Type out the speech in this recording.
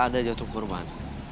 ada jatuh korban